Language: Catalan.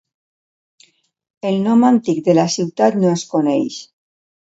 El nom antic de la ciutat no es coneix.